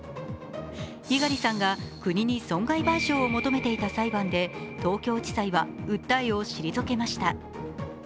猪狩さんが国に損害賠償を求めていた裁判で東京地裁は訴えを退けました。